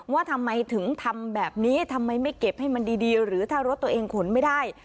ว่าทำไมถึงทำแบบนี้ทำไมไม่เก็บให้มันดีหรือถ้ารถตัวเองขนไม่ได้